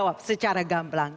jawab secara gamblang